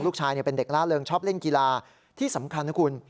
ลูกชายเป็นเด็กล่าเริงชอบเล่นกีฬาที่สำคัญนะคุณ